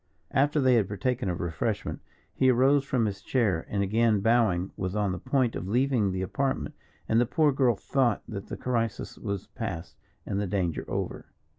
After they had partaken of refreshment, he arose from his chair, and, again bowing, was on the point of leaving the apartment, and the poor girl thought that the crisis was past and the danger over.